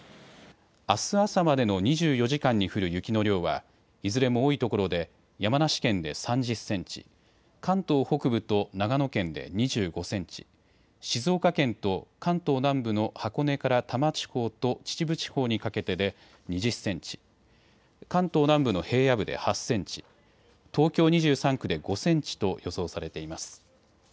あす朝までの２４時間に降る雪の量はいずれも多いところで山梨県で３０センチ、関東北部と長野県で２５センチ、静岡県と関東南部の箱根から多摩地方と秩父地方にかけてで２０センチ、関東南部の平野部で８センチ、東京２３区で５センチと予想されています。